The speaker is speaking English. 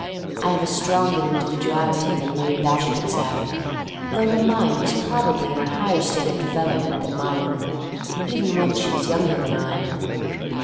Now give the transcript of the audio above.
I have a stronger indi viduality than Marie Bashkirtseff, though her mind was probably in a higher state of development than mine, even when she was younger than I.